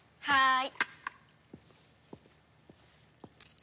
はい。